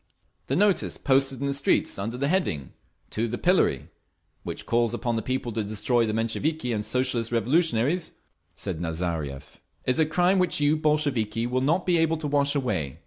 "The notice posted in the streets under the heading 'To the Pillory,' which calls upon the people to destroy the Mensheviki and Socialist Revolutionaries," said Nazariev, "is a crime which you, Bolsheviki, will not be able to wash away.